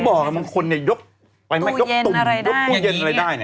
เพราะถึงที่บอกมันคุณยกตู้เย็นอะไรได้